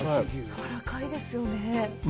やわらかいですよね。